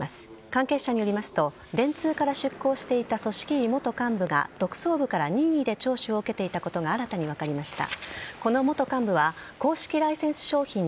関係者によりますと、電通から出向していた組織委元幹部が特捜部から任意で聴取を受けていたことが新たに分かりました。